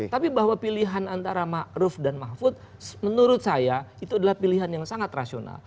tapi bahwa pilihan antara ⁇ maruf ⁇ dan mahfud menurut saya itu adalah pilihan yang sangat rasional